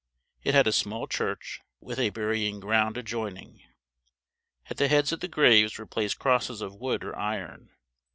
It had a small church, with a burying ground adjoining. At the heads of the graves were placed crosses of wood or iron.